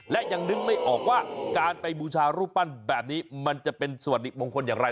และยังนึกไม่ออกว่าการไปบูชารูปปั้นแบบนี้มันจะเป็นสวัสดิมงคลอย่างไร